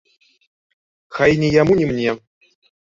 Хай ні яму, ні мне!